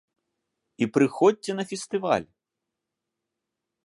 І прыходзьце на фестываль!